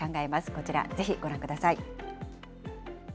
こちら、ぜひご覧ください。